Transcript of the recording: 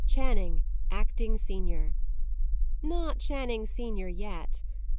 "Channing, acting senior." Not "Channing, senior," yet.